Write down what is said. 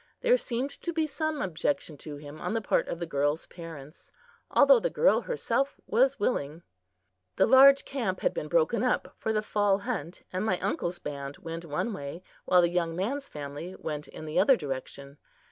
There seemed to be some objection to him on the part of the girl's parents, although the girl herself was willing. The large camp had been broken up for the fall hunt, and my uncle's band went one way, while the young man's family went in the other direction.